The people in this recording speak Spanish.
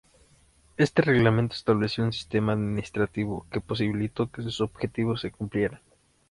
Este Reglamento estableció un sistema administrativo que posibilitó que sus objetivos se cumplieran.